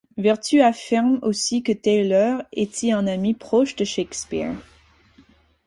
Vertue affirme aussi que Taylor était un ami proche de Shakespeare.